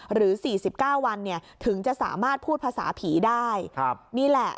หรือสี่สิบเก้าวันเนี่ยถึงจะสามารถพูดภาษาผีได้ครับนี่แหละ